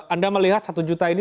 anda melihat satu juta ini